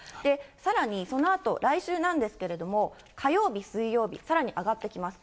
さらにそのあと来週なんですけれども、火曜日、水曜日、さらに上がってきます。